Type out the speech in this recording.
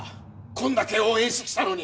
こんだけ応援してきたのに